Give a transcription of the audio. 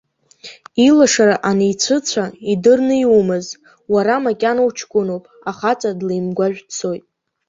Илашара аницәыцәа, идырны иумаз, уара макьана уҷкыноуп ахаҵа длеимгәажә дцоит.